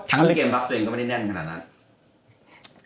เล่นเกมรับตัวเองก็ไม่ได้แน่นขนาดนั้น